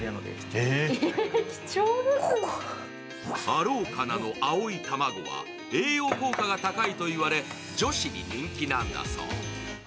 アロー品の青い卵は栄養効果が高いと言われ女子に人気なんだそう。